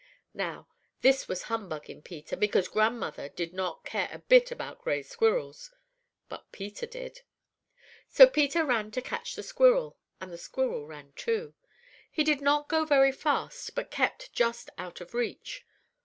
"Now, this was humbug in Peter, because grandmother did not care a bit about gray squirrels. But Peter did. "So Peter ran to catch the squirrel, and the squirrel ran, too. He did not go very fast, but kept just out of reach.